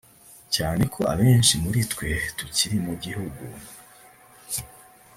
cyane ko abenshi muri twe tukiri mu gihugu